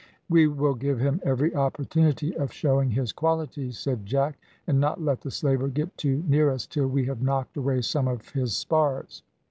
"We will give him every opportunity of showing his qualities," said Jack, "and not let the slaver get too near us till we have knocked away some of his spars."